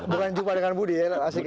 bukan jumpa dengan budi ya asik ya